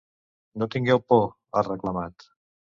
No tingueu por, ha reclamat.